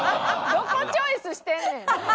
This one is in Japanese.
どこチョイスしてんねん！